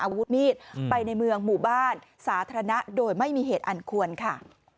อาวุธมีดไปในเมืองหมู่บ้านสาธารณะโดยไม่มีเหตุอันควรค่ะ